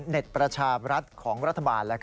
ประชาบรัฐของรัฐบาล